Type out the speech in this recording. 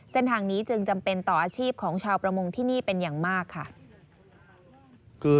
เส้นทางนี้จึงจำเป็นต่ออาชีพของชาวประมงที่นี่เป็นอย่างมากค่ะ